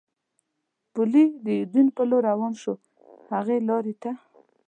پلي د یوډین په لور روان شو، هغې لارې ته.